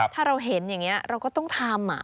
ถ้าเราเห็นอย่างนี้เราก็ต้องทำ